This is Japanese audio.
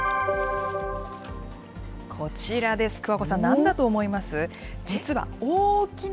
こちらです、桑子さん、なんだと思います？